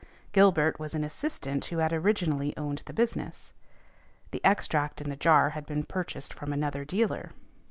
Gilbert was an assistant who had originally owned the business. The extract in the jar had been purchased from another dealer.